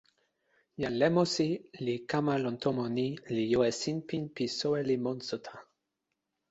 jan Lemosi li kama lon tomo ni, li jo e sinpin pi soweli monsuta.